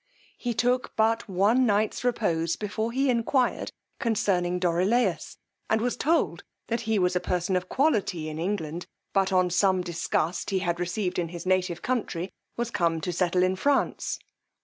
He took but one night's repose before he enquired concerning Dorilaus, and was told that he was a person of quality in England; but, on some disgust he had received in his native country, was come to settle in France.